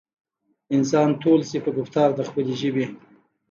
انسان تول شي پۀ ګفتار د خپلې ژبې